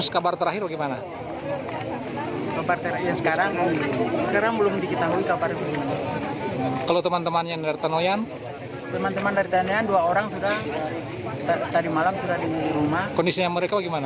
kondisinya mereka bagaimana